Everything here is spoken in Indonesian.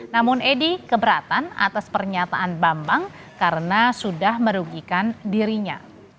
namun edi keberatan atas pernyataan bambang karena sudah merugikan dirinya